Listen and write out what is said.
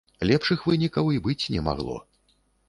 Лепшых вынікаў і быць не магло.